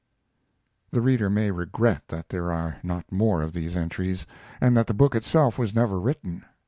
The reader may regret that there are not more of these entries, and that the book itself was never written.